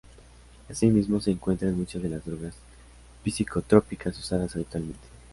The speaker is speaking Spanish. Asimismo se encuentra en muchas de las drogas psicotrópicas usadas habitualmente.